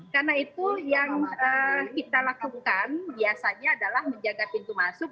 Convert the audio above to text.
karena itu yang kita lakukan biasanya adalah menjaga pintu masuk